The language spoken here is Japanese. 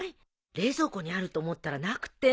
冷蔵庫にあると思ったらなくて。